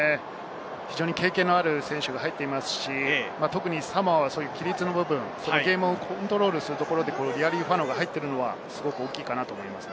経験のある選手が入っていますし、サモアは規律の部分、ゲームコントロールでリアリーファノが入っているのはすごく大きいと思います。